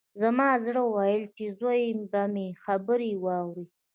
زما زړه ویل چې زوی به مې خبرې واوري